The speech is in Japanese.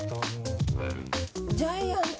ジャイアント。